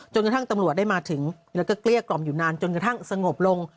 ตำรวจได้มาถึงแล้วก็เกลี้ยกล่อมอยู่นานจนกระทั่งสงบลง